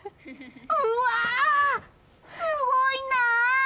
うわあ、すごいな！